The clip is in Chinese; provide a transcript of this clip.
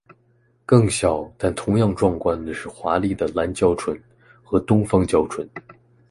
更小但同样壮观的是华丽的蓝鹪鹑和东方鹪鹩。